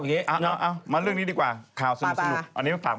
เอามาเรื่องนี้ดีกว่าข่าวสนุกฝากมายูปะใหม่